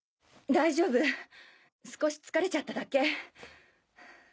大丈夫少し疲れちゃっただけ。